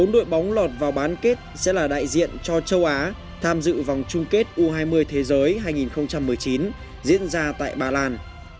bốn đội bóng lọt vào bán kết sẽ là đại diện cho châu á tham dự vòng chung kết u hai mươi thế giới hai nghìn một mươi chín diễn ra tại ba lan